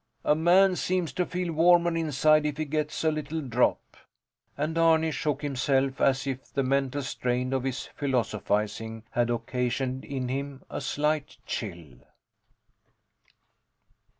A man seems to feel warmer inside if he gets a little drop. And Arni shook himself as if the mental strain of his philosophizing had occasioned in him a slight chill.